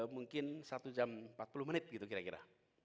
mungkin satu jam empat puluh menit gitu kira kira